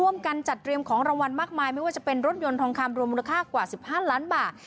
ไม่ว่าจะเป็นรถยนต์ทองคำรวมมูลค่ากว่าสิบห้านล้านบาท